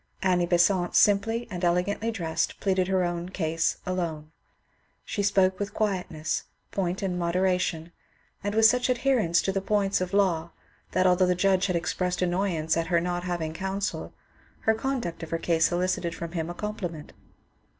Annie Besant, simply and elegantly dressed, pleaded her own case alone. She spoke with quietness, point, and moderation, and with such adherence to the points of law, that although the judge had expressed annoyance at her not having counsel, her conduct of her case elicited from him a compliment.